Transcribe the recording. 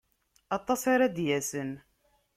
Aṭas ara d-yasen.